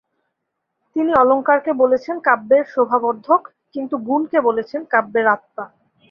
তিনি অলঙ্কারকে বলেছেন কাব্যের শোভাবর্ধক, কিন্তু গুণকে বলেছেন কাব্যের আত্মা।